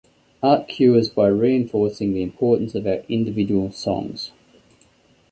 Art cures by reinforcing the importance of our individual songs.